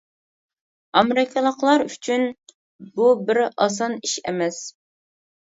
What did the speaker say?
ئامېرىكىلىقلار ئۈچۈن بۇ بىر ئاسان ئىش ئەمەس.